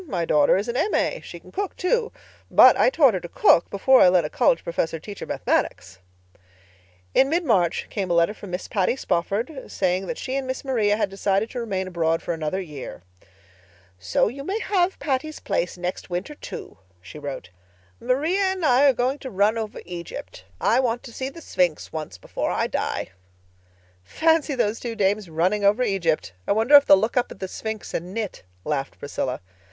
My daughter is an M.A. She can cook, too. But I taught her to cook before I let a college professor teach her Mathematics." In mid March came a letter from Miss Patty Spofford, saying that she and Miss Maria had decided to remain abroad for another year. "So you may have Patty's Place next winter, too," she wrote. "Maria and I are going to run over Egypt. I want to see the Sphinx once before I die." "Fancy those two dames 'running over Egypt'! I wonder if they'll look up at the Sphinx and knit," laughed Priscilla.